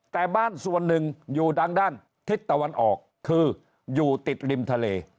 แต่บ้านส่วนหนึ่งอยู่ดังด้านทิศตะวันออกคืออยู่ติดริมทะเล